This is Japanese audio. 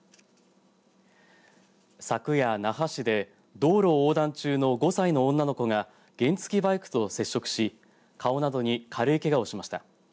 昨夜、那覇市で道路を横断中の５歳の女の子が原付きバイクと接触し顔などに軽いけがをしました。